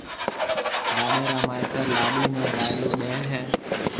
لاڏيَ را مائيتر لاڏيِ نَي وائلو ڏَي هيَ